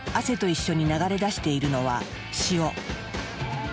汗と一緒に流れ出しているのは塩。